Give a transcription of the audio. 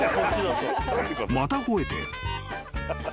［また吠えて］